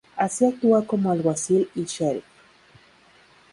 Así actúa como alguacil y sheriff.